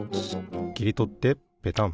きりとってペタン。